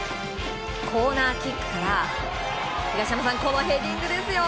コーナーキックからこのヘディングですよ